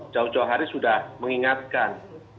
jauh jauh hari sudah mengingatkan